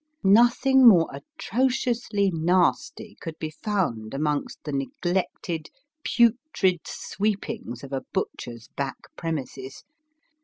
Nothing more atrociously nasty could be found amongst the neglected putrid sweepings of a butcher s back premises.